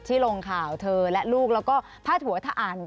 ลงข่าวเธอและลูกแล้วก็พาดหัวถ้าอ่าน